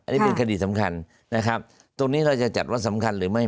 อันนี้เป็นคดีสำคัญนะครับตรงนี้เราจะจัดว่าสำคัญหรือไม่